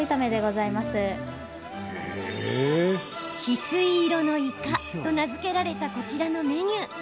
ヒスイ色のイカと名付けられたこちらのメニュー。